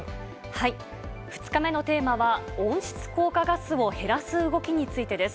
２日目のテーマは温室効果ガスを減らす動きについてです。